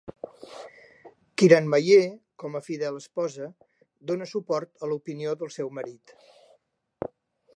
Kiranmayee, com a fidel esposa, dona suport a l'opinió del seu marit.